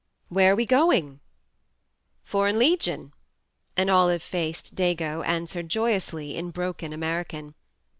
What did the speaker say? "Where are we going? ... Foreign Legion," an olive faced "dago" an swered joyously in broken American.